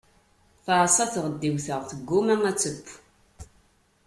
Teɛṣa tɣeddiwt-a, tgumma ad teww.